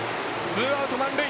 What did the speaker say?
ツーアウト満塁。